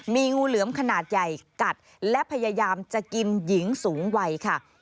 มีงูเหลือมขนาดใหญ่กัดและพยายามจะกินหญิงสูงวัยค่ะ